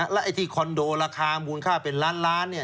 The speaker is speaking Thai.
แล้วไอ้ที่คอนโดราคามูลค่าเป็นล้านล้าน